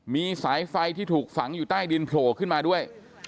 มีสายไฟที่ถูกฝังอยู่ใต้ดินโผล่ขึ้นมาด้วย